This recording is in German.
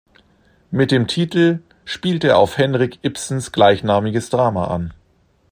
Mit dem Titel spielt er auf Henrik Ibsens gleichnamiges Drama an.